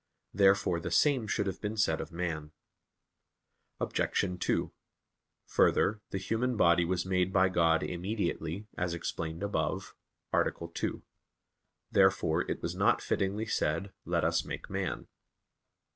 Therefore the same should have been said of man. Obj. 2: Further, the human body was made by God immediately, as explained above (A. 2). Therefore it was not fittingly said, "Let us make man."